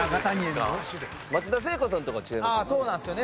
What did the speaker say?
松田聖子さんとかは違いますよね？